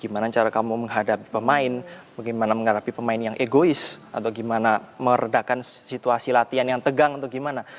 gimana cara kamu menghadapi pemain bagaimana menghadapi pemain yang egois atau gimana meredakan situasi latihan yang tegang atau gimana